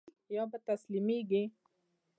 يا به تسليمېږي.